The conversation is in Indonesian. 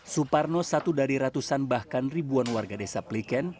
suparno satu dari ratusan bahkan ribuan warga desa pliken